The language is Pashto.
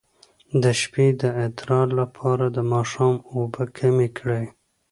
د شپې د ادرار لپاره د ماښام اوبه کمې کړئ